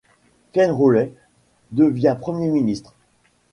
Keith Rowley devient Premier ministre.